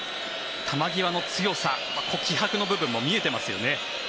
球際の強さ気迫の部分も見えていますね。